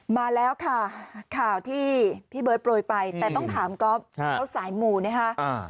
มาแล้วค่ะข่าวที่พี่เบิร์ตโปรยไปแต่ต้องถามก๊อฟเขาสายหมู่นะคะ